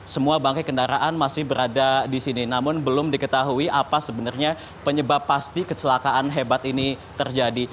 semua bangkai kendaraan masih berada di sini namun belum diketahui apa sebenarnya penyebab pasti kecelakaan hebat ini terjadi